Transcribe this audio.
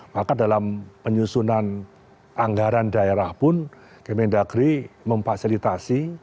maka dalam penyusunan anggaran daerah pun kementerian negeri memfasilitasi